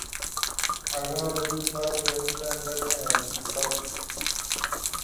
Algunos de esos cuadros ya pueden verse en su blog.